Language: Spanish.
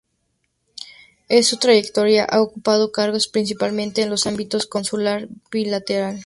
En su trayectoria ha ocupado cargos principalmente en los ámbitos consular y bilateral.